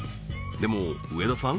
でも上田さん